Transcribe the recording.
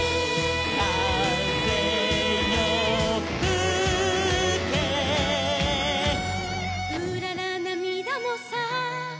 「かぜよふけ」「うららなみだもさ」